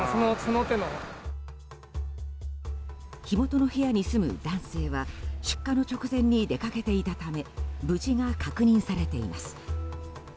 火元の部屋に住む男性は出火の直前に出かけていたため無事が確認されています。